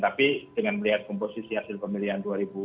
tapi dengan melihat komposisi hasil pemilihan dua ribu sembilan belas